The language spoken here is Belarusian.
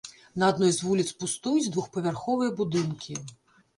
На адной з вуліц пустуюць двухпавярховыя будынкі.